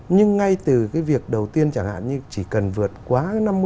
nhưng ngay từ cái việc đầu tiên chẳng hạn như chỉ cần vượt quá năm mươi